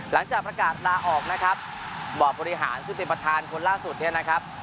หลังจากประกาศลาออกนะครับบ่อบริหารซึ่งเป็นประธานคนล่าสุดเนี่ยนะครับ